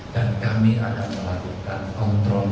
dan kami akan melakukan kontrol